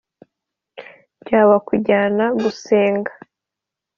byaba kujyana gusenga,